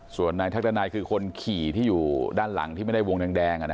ส่วนนายทักดันัยคือคนขี่ที่อยู่ด้านหลังที่ไม่ได้วงแดง